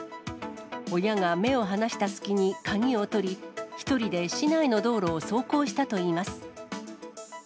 親が目を離した隙に鍵を取り、１人で市内の道路を走行したといいます。